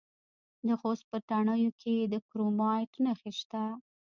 د خوست په تڼیو کې د کرومایټ نښې شته.